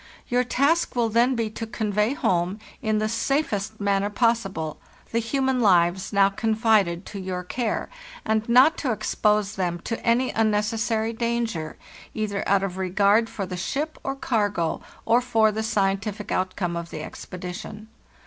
Your task will then be to convey home, in the safest manner possible, the human lives now confided to your care, and not to expose them to any unnecessary danger, either out of regard for the ship or cargo, or for the scientific outcome of the expedition.